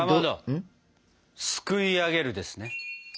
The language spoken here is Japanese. すくいあげるですね。